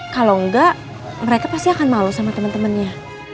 kalau nggak mereka pasti akan malu sama temen temennya